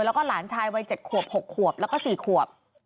แล้วก็หลานชายวัย๗ขวบ๖ขวบแล้วก็๔ขวบ